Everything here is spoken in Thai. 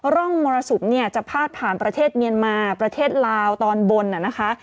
ร่องมรสุมเนี่ยจะพาดผ่านประเทศเมียนมาประเทศลาวตอนบนนะคะ